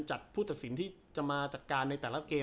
จัดผู้ตัดสินที่จะมาจัดการในแต่ละเกม